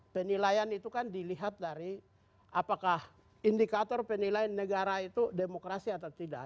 penilaian itu kan dilihat dari apakah indikator penilaian negara itu demokrasi atau tidak